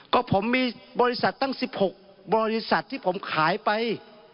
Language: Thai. ก็ผมมีบริษัทตั้ง๑๖บริษัทที่ผมขายไป